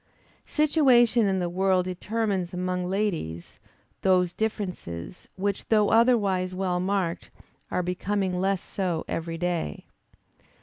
Situation in the world determines among ladies, those differences, which though otherwise well marked, are becoming less so every day.